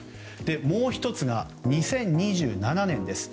もう１つが２０２７年です。